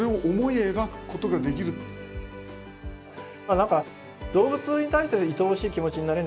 何か動物に対していとおしい気持ちになれるの。